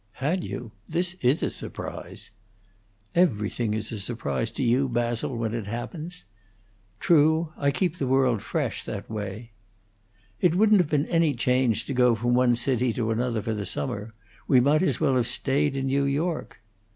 "Had you? This is a surprise." "Everything is a surprise to you, Basil, when it happens." "True; I keep the world fresh, that way." "It wouldn't have been any change to go from one city to another for the summer. We might as well have stayed in New York."